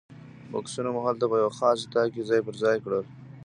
بکسونه مو هلته په یوه خاص اتاق کې ځای پر ځای کړل.